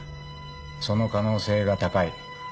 その可能性が高い。